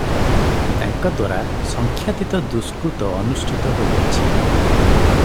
ତାଙ୍କଦ୍ୱାରା ସଂଖ୍ୟାତୀତ ଦୁଷ୍କୃତ ଅନୁଷ୍ଠିତ ହୋଇଅଛି ।